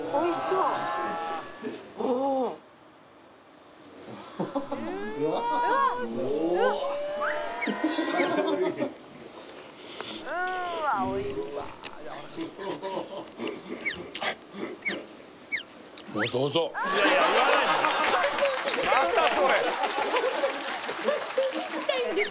うお感想感想聞きたいんです